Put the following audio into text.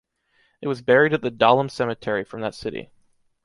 It was buried at the Dahlem cemetery from that city.